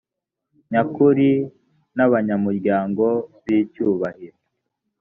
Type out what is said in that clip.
nyakuri n’abanyamuryango b’icyubahiro